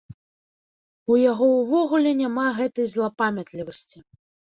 У яго ўвогуле няма гэтай злапамятлівасці!